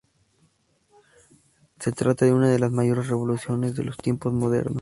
Se trata de una de las mayores revoluciones de los tiempos modernos.